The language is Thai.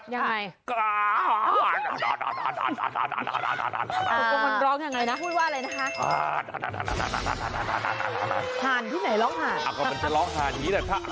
ยังไง